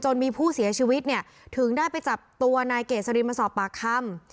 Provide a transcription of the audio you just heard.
มีผู้เสียชีวิตเนี่ยถึงได้ไปจับตัวนายเกษรินมาสอบปากคำ